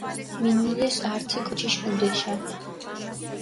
მინილეს ართი კოჩიში ჸუდეშა.